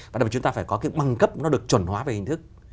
và chúng ta phải có cái băng cấp nó được chuẩn hóa về hình thức